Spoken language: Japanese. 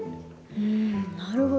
うんなるほど。